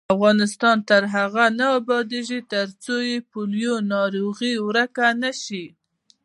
افغانستان تر هغو نه ابادیږي، ترڅو د پولیو ناروغي ورکه نشي.